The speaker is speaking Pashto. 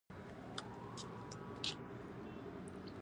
هغه پیغام کابل ته رسولی وو.